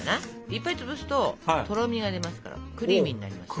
いっぱい潰すととろみが出ますからクリーミーになります。